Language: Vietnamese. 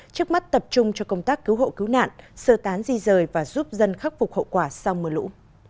trước mắt tập trung cho công tác cứu hộ cứu nạn sơ tán di rời và giúp dân khắc phục hậu quả sau mưa lũ